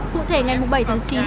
cụ thể ngày bảy tháng chín